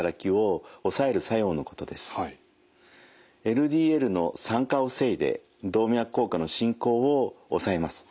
ＬＤＬの酸化を防いで動脈硬化の進行を抑えます。